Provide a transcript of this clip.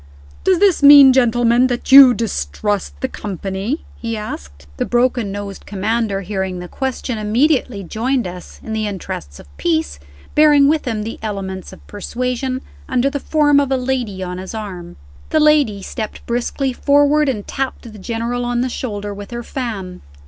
"Does this mean, gentlemen, that you distrust the company?" he asked. The broken nosed Commander, hearing the question, immediately joined us, in the interests of peace bearing with him the elements of persuasion, under the form of a lady on his arm. The lady stepped briskly forward, and tapped the General on the shoulder with her fan.